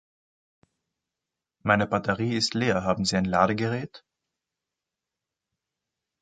Meine Batterie ist leer, haben Sie ein Ladegerät?